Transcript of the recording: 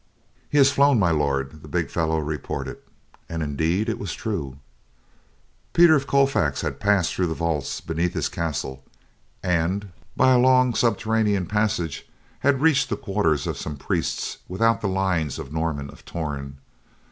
"He has flown, My Lord," the big fellow reported, and indeed it was true. Peter of Colfax had passed through the vaults beneath his castle and, by a long subterranean passage, had reached the quarters of some priests without the lines of Norman of Torn.